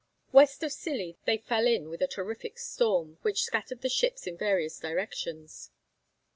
West of Scilly they fell in with a terrific storm, which scattered the ships in various directions.